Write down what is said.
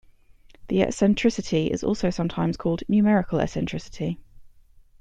The eccentricity is also sometimes called numerical eccentricity.